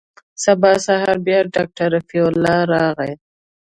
سبا سهار بيا ډاکتر رفيع الله راغى.